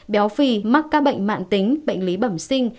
béo phì mắc các bệnh mạng tính bệnh lý bẩm sinh